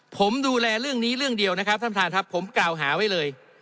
ผมดูแลเรื่องนี้เรื่องเดียวนะครับท่านประธานครับผมกล่าวหาไว้เลย